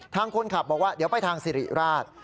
ทางคนขับบอกว่าเดี๋ยวไปทางสิริราช